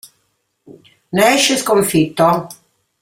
Ne esce sconfitto.